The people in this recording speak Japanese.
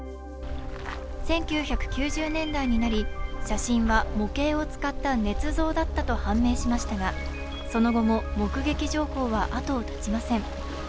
１９９０年代になり、写真は模型を使ったねつ造だったと判明しましたがその後も目撃情報は後を絶ちません。